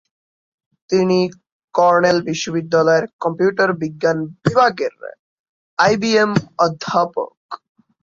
তিনি কর্নেল বিশ্ববিদ্যালয়ের কম্পিউটার বিজ্ঞান বিভাগের আইবিএম অধ্যাপক।